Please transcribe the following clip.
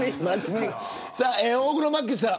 大黒摩季さん